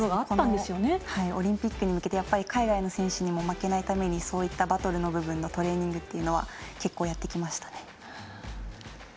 このオリンピックに向けて海外の選手たちにも負けないためにそういったバトルの部分のトレーニングというのは結構やってきましたね。